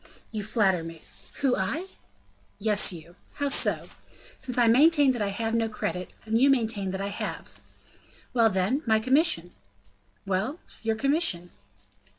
"You flatter me!" "Who, I?" "Yes, you." "How so?" "Since I maintain that I have no credit, and you maintain I have." "Well, then, my commission?" "Well, your commission?"